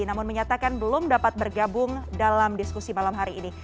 namun menyatakan belum dapat bergabung dalam diskusi malam hari ini